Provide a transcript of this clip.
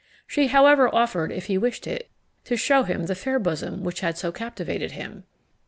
She, however, offered, if he wished it, to shew him the fair bosom which had so captivated him.